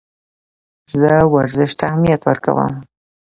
زه ورزش ته اهمیت ورکوم.